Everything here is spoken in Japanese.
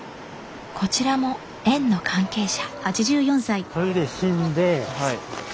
こちらも園の関係者。